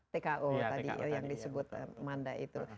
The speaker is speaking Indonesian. tko tadi yang disebut manda itu